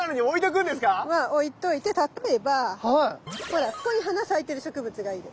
まあ置いといて例えばほらここに花咲いてる植物がいる。